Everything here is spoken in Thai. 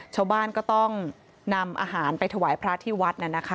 ชาวบ้านก็ต้องนำอาหารไปถวายพระที่วัด